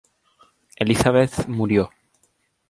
Elizabeth murió.